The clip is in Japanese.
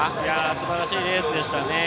すばらしいレースでしたね。